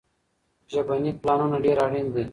ژبني پلانونه ډېر اړين دي.